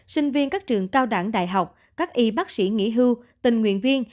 sinh viên các trường cao đẳng đại học các y bác sĩ nghỉ hưu tình nguyện viên